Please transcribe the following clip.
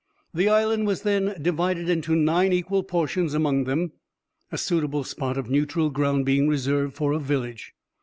The island was then divided into nine equal portions amongst them, a suitable spot of neutral ground being reserved for a village.